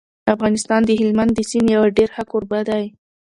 افغانستان د هلمند د سیند یو ډېر ښه کوربه دی.